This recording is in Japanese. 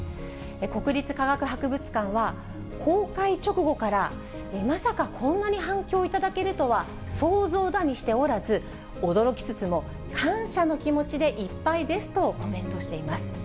国立科学博物館は、公開直後から、まさかこんなに反響をいただけるとは想像だにしておらず、驚きつつも、感謝の気持ちでいっぱいですとコメントしています。